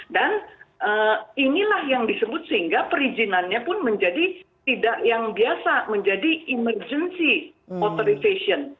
dan inilah yang disebut sehingga perizinannya pun menjadi tidak yang biasa menjadi emergency authorization